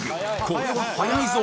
これは早いぞ！